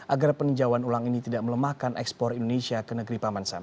agar peninjauan ulang ini tidak melemahkan ekspor indonesia ke negeri paman sam